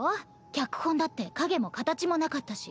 脚本だって影も形もなかったし。